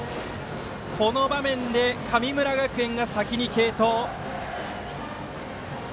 この場面で神村学園が先に継投。